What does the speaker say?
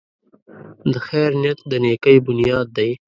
د خیر نیت د نېکۍ بنیاد دی.